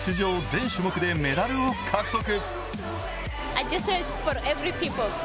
全種目でメダルを獲得。